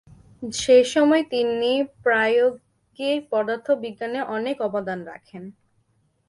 সেসময়ে তিনি প্রায়োগিক পদার্থবিজ্ঞানে অনেক অবদান রাখেন।